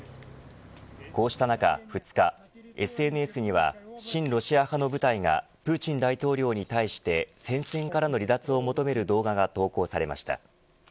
こうした中、２日ＳＮＳには、親ロシア派の部隊がプーチン大統領に対して戦線からの離脱を求める動画が投稿されました。